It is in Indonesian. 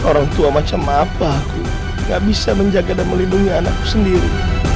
orang tua macam apa aku gak bisa menjaga dan melindungi anakku sendiri